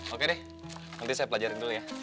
oke deh nanti saya pelajarin dulu ya